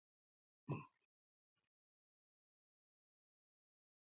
او د عامو خلکو په مرسته راټول کړي .